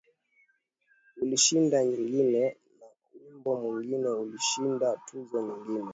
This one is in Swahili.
Ulishinda nyingine na wimbo mwingine ulishinda tuzo nyingine